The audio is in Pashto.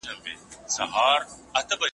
صنعت د پانګوالو له خوا پراخېږي.